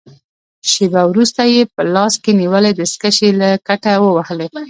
شېبه وروسته يې په لاس کې نیولې دستکشې له کټه ووهلې.